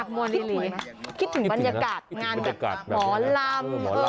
คิดถึงบรรยากาศงานหมอลำ